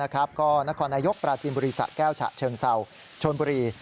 ก็นครนายกปราจีนบุรีสะแก้วฉะเชิงเศร้าชนบุรี